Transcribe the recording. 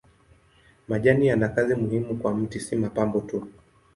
Majani yana kazi muhimu kwa mti si mapambo tu.